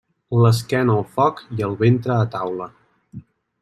L'esquena al foc i el ventre a taula.